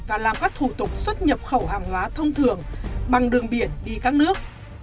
và làm các thủ tục xuất nhập khẩu hàng hóa thông thường bằng đường biển đi các nước